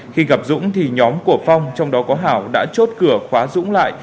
khi gặp dũng thì nhóm của phong trong đó có hảo đã chốt cửa khóa dũng lại